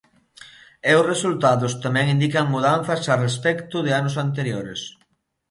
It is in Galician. E os resultados tamén indican mudanzas a respecto de anos anteriores.